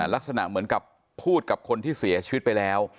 ลักษณะเหมือนกับพูดกับคนที่เสียชีวิตไปแล้ว